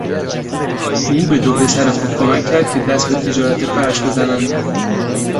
او به دو پسر خود کمک کرد که دست به تجارت فرش بزنند.